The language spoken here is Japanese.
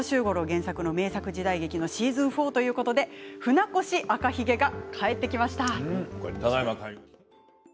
原作の名作時代劇のシーズン４ということで船越赤ひげが帰ってきました。